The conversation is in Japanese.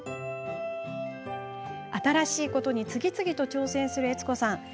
新しいことに次々、挑戦する悦子さん。